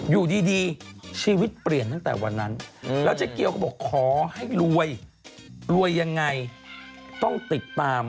อยู่ดีชีวิตเปลี่ยนตั้งแต่วันนั้น